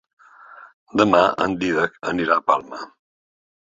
Demà en Dídac anirà a Palma.